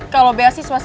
kalau beasiswa saya